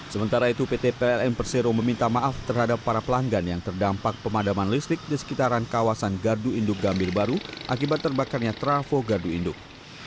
sementara itu pt pln persero meminta maaf terhadap para pelanggan yang terdampak pemadaman listrik di sekitaran kawasan gardu induk gambir baru akibat terbakarnya trafo gardu induk